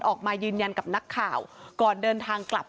ออกมายืนยันกับนักข่าวก่อนเดินทางกลับ